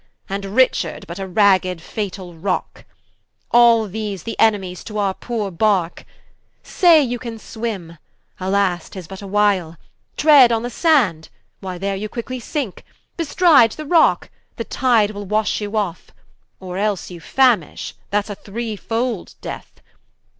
And Richard, but a raged fatall Rocke? All these, the Enemies to our poore Barke. Say you can swim, alas 'tis but a while: Tread on the Sand, why there you quickly sinke, Bestride the Rock, the Tyde will wash you off, Or else you famish, that's a three fold Death.